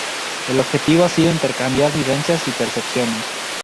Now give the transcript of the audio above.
El objetivo ha sido intercambiar vivencias y percepciones